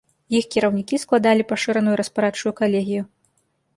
Іх кіраўнікі складалі пашыраную распарадчую калегію.